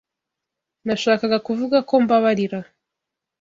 Nashakaga kuvuga ko mbabarira.